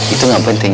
itu gak penting